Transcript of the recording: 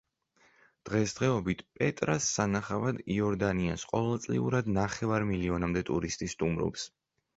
დღესდღეობით პეტრას სანახავად იორდანიას ყოველწიურად ნახევარ მილიონამდე ტურისტი სტუმრობს.